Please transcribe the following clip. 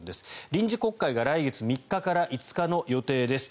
臨時国会が来月３日から５日の予定です。